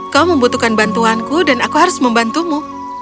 kau membutuhkan bantuanku dan aku harus membantumu